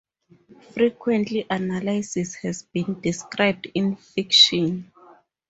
Frequency analysis has been described in fiction.